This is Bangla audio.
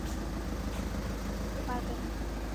তোমার কথা সে কিছুতেই ঠেলতে পারবে না।